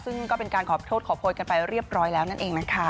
ซึ่งก็เป็นการขอโทษขอโพยกันไปเรียบร้อยแล้วนั่นเองนะคะ